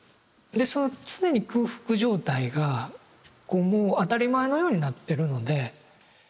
でその常に空腹状態がもう当たり前のようになってるので。